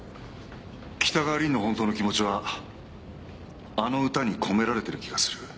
北川凛の本当の気持ちはあの歌に込められている気がする。